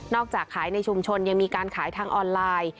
จากขายในชุมชนยังมีการขายทางออนไลน์